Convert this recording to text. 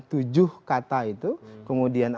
tujuh kata itu kemudian